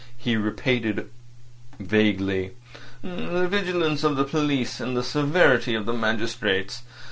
He repeated vaguely. "The vigilance of the police—and the severity of the magistrates.